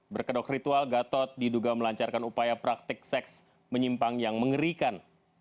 berkedok ritual gatot diduga melancarkan upaya praktik seks menyimpang yang mengerikan